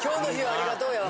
ありがとうやわ。